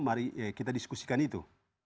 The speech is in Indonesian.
mari kita diskusikan itu